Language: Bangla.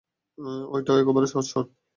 এটা একেবারে সহজ শট।